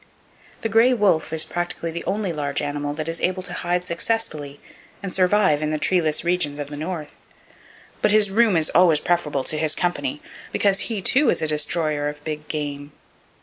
The gray wolf is practically the only large animal that is able to hide successfully and survive in the treeless regions of the North; but his room is always preferable to his company, because he, too, is a destroyer of big game.